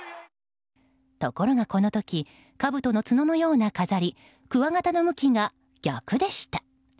ところがこの時かぶとの角のような飾りくわがたの向きが逆でした。